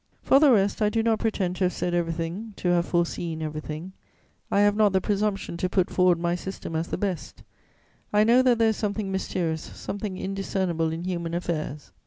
"For the rest, I do not pretend to have said everything, to have foreseen everything; I have not the presumption to put forward my system as the best; I know that there is something mysterious, something indiscernible, in human affairs.